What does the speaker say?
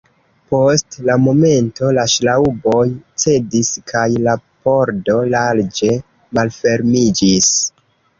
Post momento la ŝraŭboj cedis, kaj la pordo larĝe malfermiĝis.